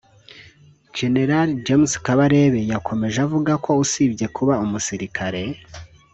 General James Kabarebe yakomeje avuga ko usibye kuba umusirikare